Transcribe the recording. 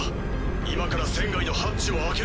今から船外のハッチを開ける。